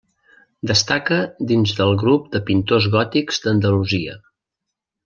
Destaca dins del grup de pintors gòtics d'Andalusia.